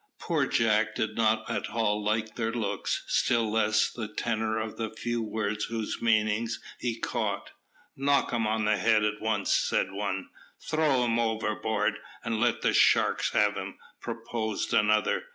Poor Jack did not at all like their looks, still less the tenor of the few words whose meaning he caught. "Knock him on the head at once," said one. "Throw him overboard, and let the sharks have him," proposed another.